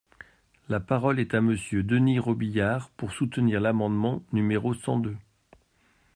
La parole est à Monsieur Denys Robiliard, pour soutenir l’amendement numéro cent deux.